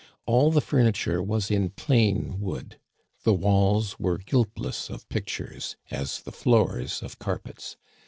All the furniture was in plain wood. The walls were guiltless of pictures, as the floors of carpets.